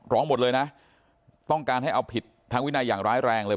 ร้องหมดเลยนะต้องการให้เอาผิดทางวินัยอย่างร้ายแรงเลย